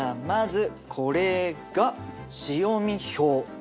まずこれが潮見表。